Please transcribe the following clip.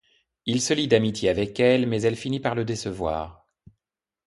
Il se lie d'amitié avec elle, mais elle finit par le décevoir.